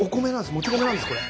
もち米なんですこれ。